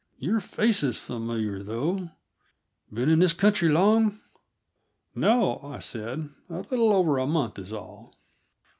"Your face is familiar, though; been in this country long?" "No," I said; "a little over a month is all."